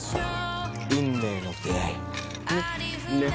運命の出会い。ね？